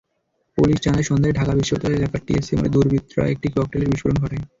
Police জানায়, সন্ধ্যায় ঢাকা বিশ্ববিদ্যালয় এলাকার টিএসসি মোড়ে দুর্বৃত্তরা একটি ককটেলের বিস্ফোরণ ঘটায়।